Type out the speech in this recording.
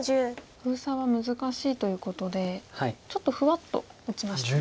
封鎖は難しいということでちょっとフワッと打ちましたね。